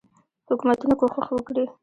حکومتونه کوښښ وکړي.